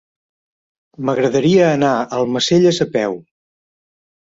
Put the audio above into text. M'agradaria anar a Almacelles a peu.